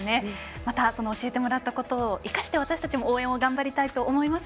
また、教えてもらったことを生かして私たちも応援を頑張りたいと思います。